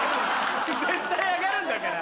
絶対上がるんだから。